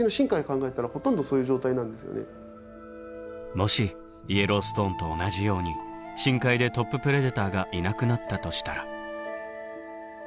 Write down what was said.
もしイエローストーンと同じように深海でトッププレデターがいなくなったとしたら。